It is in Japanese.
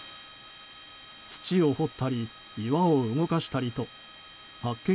土を掘ったり岩を動かしたりと発見